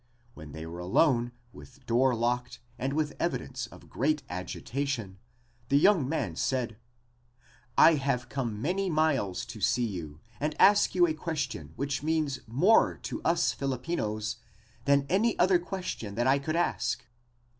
When they were alone with door locked and with evidence of great agitation the young man said: "I have come many miles to see you and ask you a question that means more to us Filipinos than any other question that I could ask."